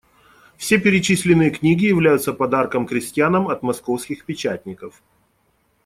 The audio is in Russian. Все перечисленные книги являются подарком крестьянам от Московских печатников.